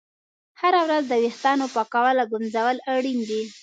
هره ورځ د ویښتانو پاکول او ږمنځول اړین دي.